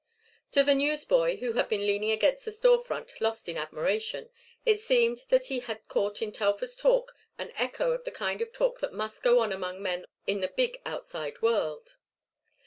To the newsboy, who had been leaning against the storefront lost in admiration, it seemed that he had caught in Telfer's talk an echo of the kind of talk that must go on among men in the big outside world.